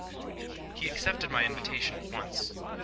He accepted my invitation at once.